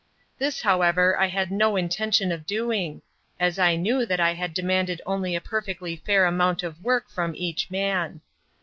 This, however, I had no intention of doing, as I knew that I had demanded only a perfectly fair amount of work from each man.